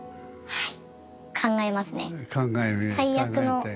はい。